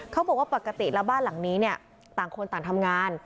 เขาบอกว่าปกติแล้วบ้านหลังนี้เนี่ยต่างคนต่างทำงาน